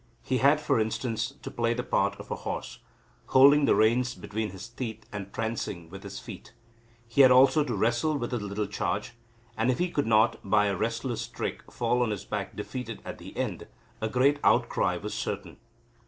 He had, for instance, to play the part of a horse, holding the reins between his teeth and prancing with his feet. He had also to wrestle with his little charge, and if he could not, by a wrestler's trick, fall on his back defeated at the end, a great outcry was certain.